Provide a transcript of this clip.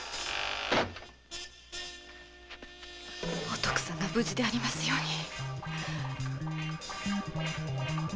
お徳さんが無事でありますように！